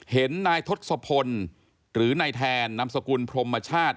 เห็นนายทศพลหรือนายแทนนามสกุลพรมชาติ